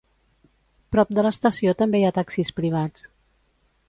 Prop de l"estació també hi ha taxis privats.